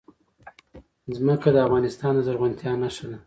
ځمکه د افغانستان د زرغونتیا نښه ده.